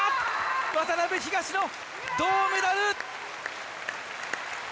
渡辺・東野、銅メダル！